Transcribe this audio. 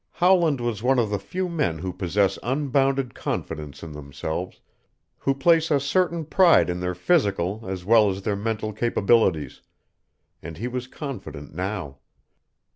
Howland was one of the few men who possess unbounded confidence in themselves, who place a certain pride in their physical as well as their mental capabilities, and he was confident now.